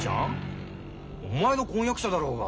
お前の婚約者だろうが。